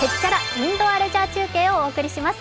インドアレジャー中継」をお送りします。